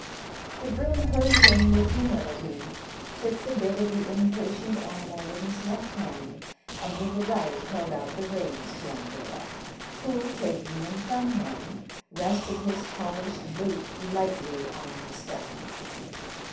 The groom heard him with humility, took the bit of the impatient animal with his left hand, and with the right held out the reins to Andrea, who, taking them from him, rested his polished boot lightly on the step.